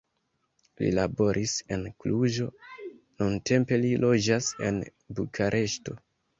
Li laboris en Kluĵo, nuntempe li loĝas en Bukareŝto.